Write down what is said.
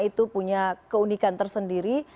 itu punya keunikan tersendiri